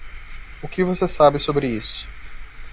O que você sabe sobre isso.